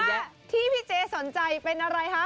เพราะว่าที่พี่เจสสนใจเป็นอะไรคะ